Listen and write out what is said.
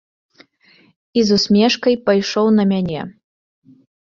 І з усмешкай пайшоў на мяне.